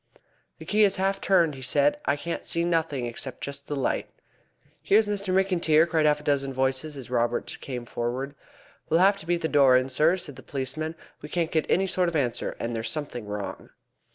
"The key is half turned," he said. "I can't see nothing except just the light." "Here's Mr. McIntyre," cried half a dozen voices, as Robert came forward. "We'll have to beat the door in, sir," said the policeman. "We can't get any sort of answer, and there's something wrong."